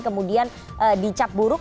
kemudian dicap buruk